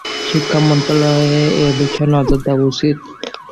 শিক্ষা মন্ত্রণালয়ের এ বিষয়ে নজর দেওয়া উচিত।